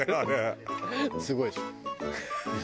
すごいでしょ。